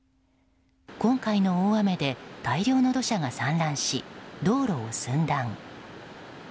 今回の大雨で大量の土砂が散乱し道路を寸断。